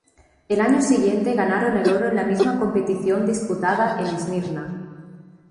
Al año siguiente ganaron el oro en la misma competición disputada en Esmirna.